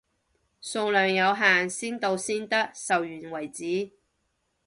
數量有限，先到先得，售完為止，